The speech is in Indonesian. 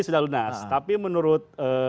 sudah lunas tapi menurut